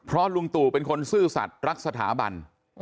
เพราะลุงตู่เป็นคนซื่อสัตว์รักสถาบัน